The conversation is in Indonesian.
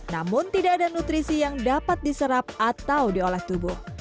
namun tidak ada nutrisi yang dapat diserap atau diolah tubuh